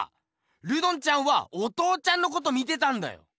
ルドンちゃんはお父ちゃんのこと見てたんだよ！